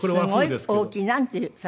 すごい大きい。なんていう魚？